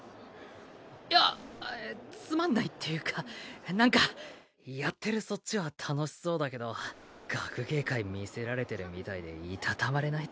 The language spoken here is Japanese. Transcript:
いやあっつまんないっていうかなんかやってるそっちは楽しそうだけど学芸会見せられてるみたいでいたたまれないっつぅ。